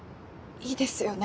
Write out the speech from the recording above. いいですよね